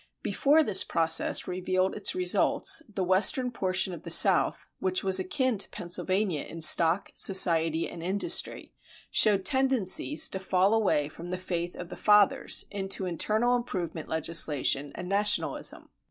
Before this process revealed its results the western portion of the South, which was akin to Pennsylvania in stock, society, and industry, showed tendencies to fall away from the faith of the fathers into internal improvement legislation and nationalism.